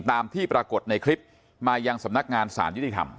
ตามที่ปรากฏในคลิปมายังสำนักงานสารยุติธรรม